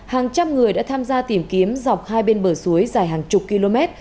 hàng trăm người đã tham gia tìm kiếm dọc hai bên bờ suối dài hàng chục km